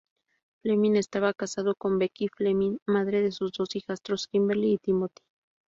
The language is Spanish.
Fleming estaba casado con Becky Fleming, madre de sus dos hijastros, Kimberly y Timothy.